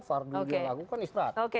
fardu dia lakukan istirahat